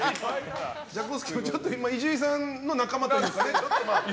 ジャコ助は伊集院さんの仲間というかね。